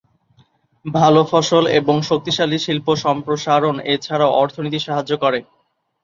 ভাল ফসল ফসল এবং শক্তিশালী শিল্প সম্প্রসারণ এছাড়াও অর্থনীতি সাহায্য করে।